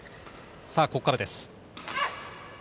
さぁここからです。